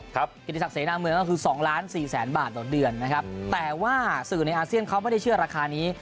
กิติศักดิเสนาเมืองก็คือสองล้านสี่แสนบาทต่อเดือนนะครับแต่ว่าสื่อในอาเซียนเขาไม่ได้เชื่อราคานี้